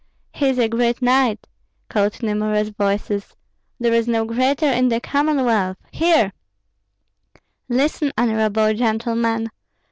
"He is a great knight!" called numerous voices. "There is no greater in the Commonwealth! Hear!" "Listen, honorable gentlemen.